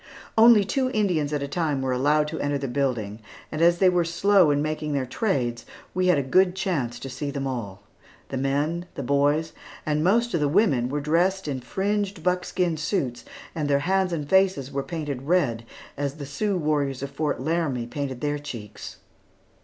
Only two Indians at a time were allowed to enter the building, and as they were slow in making their trades, we had a good chance to see them all. The men, the boys, and most of the women were dressed in fringed buckskin suits and their hands and faces were painted red, as the Sioux warriors of Fort Laramie painted their cheeks.